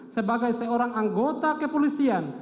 sebagai seorang anggota kepolisian